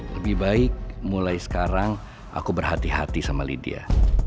lebih baik mulai sekarang aku berhati hati sama lydia